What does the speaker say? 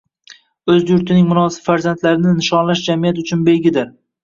O'z yurtining munosib farzandlarini nishonlash jamiyat uchun belgidir